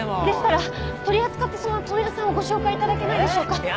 でしたら取り扱ってそうな問屋さんをご紹介いただけないでしょうか。